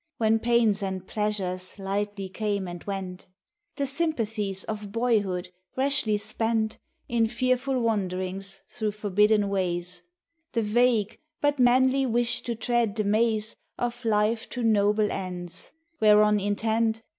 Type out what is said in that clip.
When pains and pleasures lightly came and went; The sympathies of boyhood rashly spent In fearful wanderings through forbidden ways; The vague, but manly wish to tread the maze Of life to noble ends, — whereon intent.